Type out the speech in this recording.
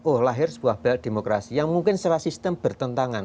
oh lahir sebuah belt demokrasi yang mungkin secara sistem bertentangan